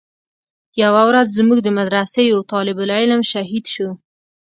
يوه ورځ زموږ د مدرسې يو طالب العلم شهيد سو.